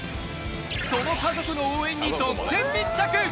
その家族の応援に独占密着。